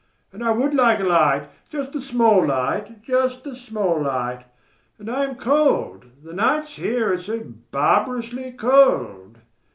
And I would like a light... just a small light... just a small light. And I am cold. The nights here are so barbarously cold...